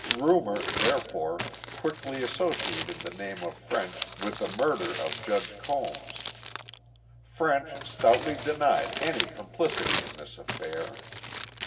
Rumor, therefore, quickly associated the name of French with the murder of Judge Combs. French stoutly denied any complicity in this affair.